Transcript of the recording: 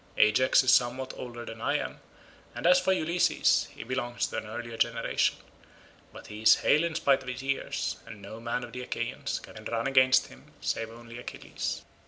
Ajax is somewhat older than I am, and as for Ulysses, he belongs to an earlier generation, but he is hale in spite of his years, and no man of the Achaeans can run against him save only Achilles."